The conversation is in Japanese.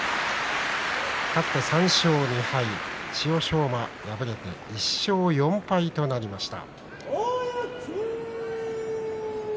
勝って３勝２敗千代翔馬、敗れて１勝４敗となりました。